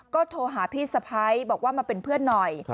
ก็โทรหาพี่สะพ้ายบอกว่ามาเป็นเพื่อนหน่อย